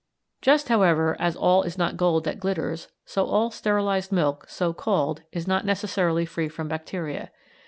Just, however, as all is not gold that glitters, so all sterilised milk so called is not necessarily free from bacteria.